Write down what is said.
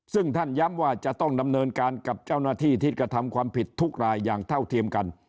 ซึ่งท่านย้ำว่าจะต้องดำเนินการกับเจ้าหน้าที่ที่กระทำความผิดทุกรายอย่างเท่าเทียมกัน